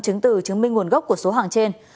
chứng từ chứng minh nguồn gốc của số hàng trên